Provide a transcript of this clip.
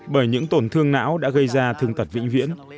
bởi những tổn thương não đã gây ra thương tật vĩnh viễn